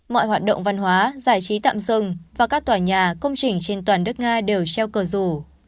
mọi hoạt động văn hóa giải trí tạm dừng và các tòa nhà công trình trên toàn nước nga đều treo cờ rủ